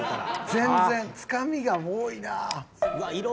全然つかみが多いな。